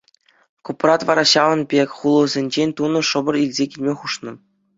Купрат вара ҫавӑн пек хулӑсенчен тунӑ шӑпӑр илсе килме хушнӑ.